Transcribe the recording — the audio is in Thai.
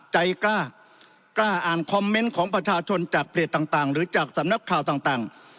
ใจกล้ากล้าอ่านคอมเมนต์ของประชาชนจากเพจต่างหรือจากสำนักข่าวต่าง